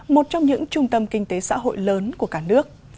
một trong những trung tâm kinh tế xã hội lớn của cả nước